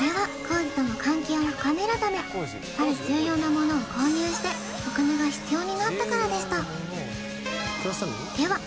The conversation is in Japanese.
それはある重要なものを購入してお金が必要になったからでした